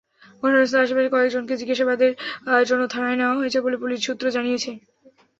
ঘটনাস্থলের আশপাশের কয়েকজনকে জিজ্ঞাসাবাদের জন্য থানায় নেওয়া হয়েছে বলে পুলিশ সূত্র জানিয়েছে।